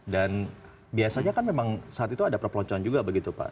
dan biasanya kan memang saat itu ada perpeloncoan juga begitu pak